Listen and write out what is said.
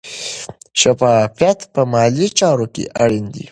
شفافیت په مالي چارو کې اړین دی.